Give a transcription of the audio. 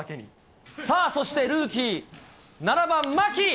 そしてルーキー、７番、牧。